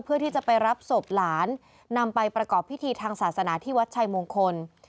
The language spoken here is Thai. เพื่อที่จะไปรับศพหลานนำไปประกอบพิธีทางศาสนาที่วัดชัยมงคล